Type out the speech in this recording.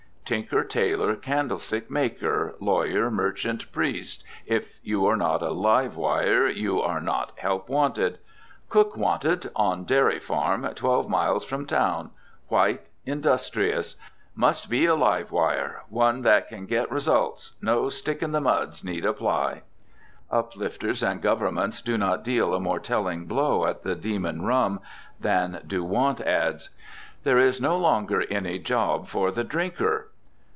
Tinker, tailor, candlestick maker; lawyer, merchant, priest; if you are not a "live wire" you are not "help wanted" "Cook wanted. On dairy farm, twelve miles from town. White, industrious. Must be a live wire! One that can get results. No stick in the muds need apply!" Uplifters and governments do not deal a more telling blow at the demon rum than do want "ads." There is no longer any job for the drinker.